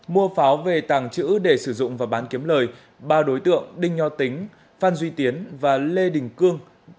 mua pháo về tàng trữ để sử dụng và bán kiếm lời ba đối tượng đinh nho tính phan duy tiến và lê đình cương